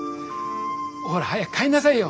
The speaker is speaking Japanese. ほら早く帰んなさいよ